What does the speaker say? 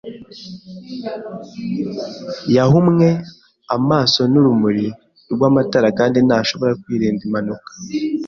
Yahumwe amaso n’urumuri rwamatara kandi ntashobora kwirinda impanuka.